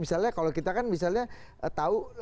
misalnya kalau kita kan misalnya tahu